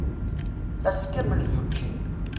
Ass kamel d učči.